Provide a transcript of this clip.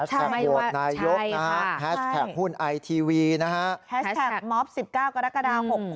แฮสแท็กโหลดนายยกแฮสแท็กหุ่นไอทีวีแฮสแท็กมอฟ๑๙กรกฎา๖๖